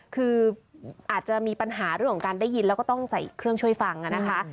คืออาจจะมีปัญหาเรื่องของการได้ยินแล้วก็ต้องใส่เครื่องช่วยฟังนะคะ